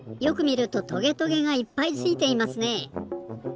よくみるとトゲトゲがいっぱいついていますね。